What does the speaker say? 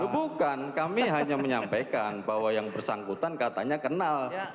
bukan kami hanya menyampaikan bahwa yang bersangkutan katanya kenal